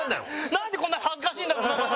なんでこんなに恥ずかしいんだろう。